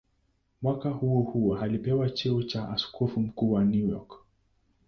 Mwaka huohuo alipewa cheo cha askofu mkuu wa York.